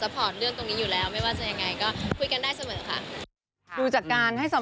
อะไรที่เราผิดพลาดเราก็ยินดีจะแก้ไขค่ะ